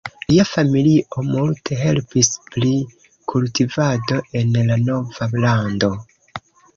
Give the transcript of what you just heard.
Lia familio multe helpis pri kultivado en la nova lando.